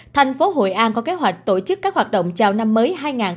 thành phố hội an có kế hoạch tổ chức các hoạt động chào năm mới hai nghìn hai mươi bốn